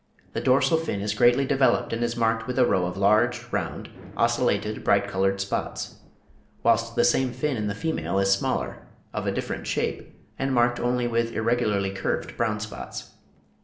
the dorsal fin is greatly developed and is marked with a row of large, round, ocellated, bright coloured spots; whilst the same fin in the female is smaller, of a different shape, and marked only with irregularly curved brown spots.